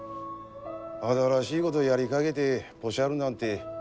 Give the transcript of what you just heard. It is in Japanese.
新しいごどやりかげでポシャるなんて